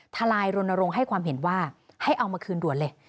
ทนายรณรงค์ให้ความเห็นว่าให้เอามาคืนด่วนเลย